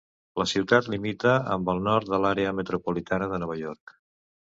La ciutat limita amb el nord de l'àrea metropolitana de Nova York.